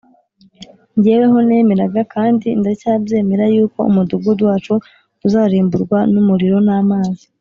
jyeweho nemeraga, kandi ndacyabyemera, yuko umudugudu wacu uzarimburwa n’umuriro n’amazi